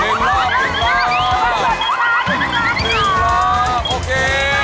๑รอบโอเค